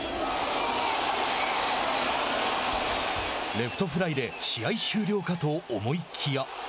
レフトフライで試合終了かと思いきや。